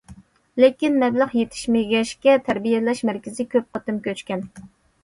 لېكىن مەبلەغ يېتىشمىگەچكە، تەربىيەلەش مەركىزى كۆپ قېتىم كۆچكەن.